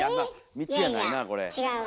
道やないなあこれ。